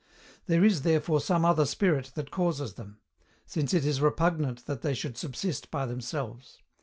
There is therefore some other Spirit that causes them; since it is repugnant that they should subsist by themselves.